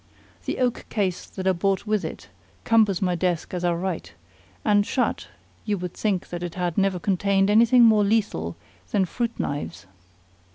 The oak case that I bought with it cumbers my desk as I write, and, shut, you would think that it had never contained anything more lethal than fruit knives.